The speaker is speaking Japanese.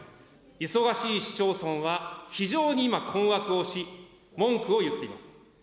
忙しい市町村は非常に今、困惑をし、文句を言っています。